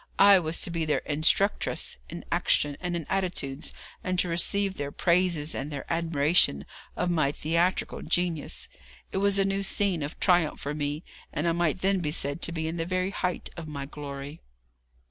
I was to be their instructress in action and in attitudes, and to receive their praises and their admiration of my theatrical genius. It was a new scene of triumph for me, and I might then be said to be in the very height of my glory.